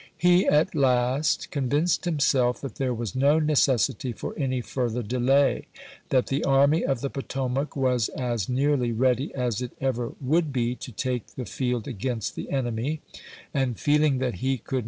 He at last convinced himself that there was no necessity for any further delay ; that the Army of the Potomac was as nearly ready as it ever would be to take the field against the enemy ; and, feeling that he could 186 2.